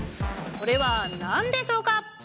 それは何でしょうか？